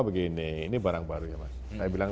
begini ini barang baru ya mas saya bilang